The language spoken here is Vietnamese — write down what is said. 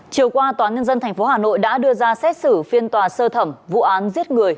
chiều qua tòa nhân dân tp hà nội đã đưa ra xét xử phiên tòa sơ thẩm vụ án giết người